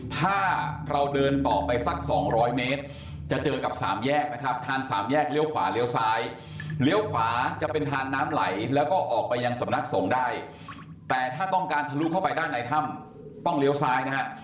ถ้าเราเดินต่อไปสัก๒๐๐เมตรจะเจอกับสามแยกนะครับทางสามแยกเลี้ยวขวาเลี้ยวซ้ายเลี้ยวขวาจะเป็นทางน้ำไหลแล้วก็ออกไปยังสำนักสงฆ์ได้แต่ถ้าต้องการทะลุเข้าไปด้านในถ้ำต้องเลี้ยวซ้ายนะฮะ